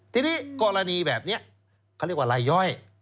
ทีนี้กรณีแบบนี้เขาเรียกว่าลายย่อย